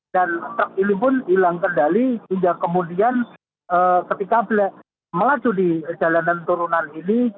dan truk ini pun hilang kendali hingga kemudian ketika melaju di jalanan turunan ini